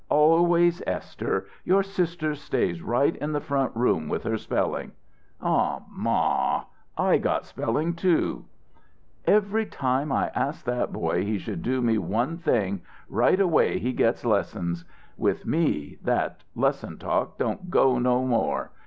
"Always Esther! Your sister stays right in the front room with her spelling." "Aw, ma; I got spelling, too." "Every time I ask that boy he should do me one thing, right away he gets lessons! With me, that lessons talk don't go no more.